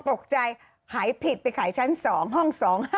ตกใจขายผิดไปขายชั้น๒ห้อง๒๕๖